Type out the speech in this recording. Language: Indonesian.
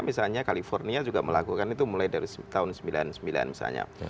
misalnya california juga melakukan itu mulai dari tahun sembilan puluh sembilan misalnya